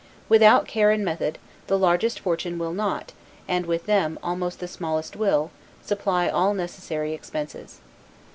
Without care and method, the largest fortune will not, and with them, almost the smallest will, supply all necessary expenses.